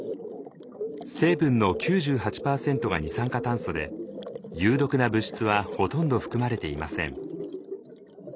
成分の９８％が二酸化炭素で有毒な物質はほとんど含まれていません。